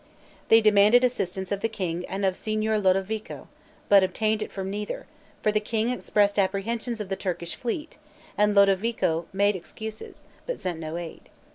They demanded assistance of the king and of Signor Lodovico, but obtained it from neither; for the king expressed apprehensions of the Turkish fleet, and Lodovico made excuses, but sent no aid.